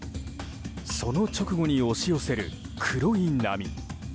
その直後に押し寄せる黒い波。